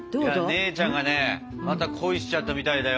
姉ちゃんがねまた恋しちゃったみたいだよ。